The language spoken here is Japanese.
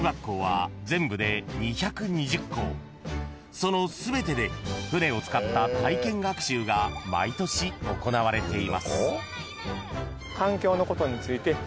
［その全てで船を使った体験学習が毎年行われています］